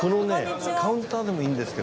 カウンターでもいいですか？